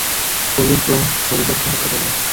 পল্লীর প্রহরীদেরকে হত্যা করল।